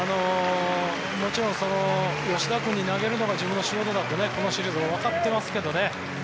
もちろん吉田君に投げるのが自分の仕事だってこのシリーズわかってますけどね。